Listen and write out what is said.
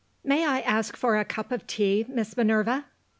"May I ask for a cup of tea, Miss Minerva?"